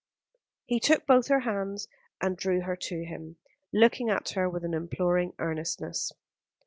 He took both her hands and drew her to him, looking at her with an imploring earnestness.